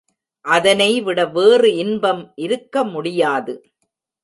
அதனைவிட வேறு இன்பம் இருக்க முடியாது.